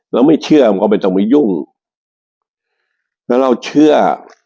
เราไม่เชื่อมันก็ไม่ต้องไปยุ่งแล้วเราเชื่อ